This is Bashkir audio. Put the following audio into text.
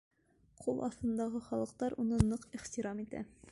Ҡул аҫтындағы халыҡтар уны ныҡ ихтирам итә.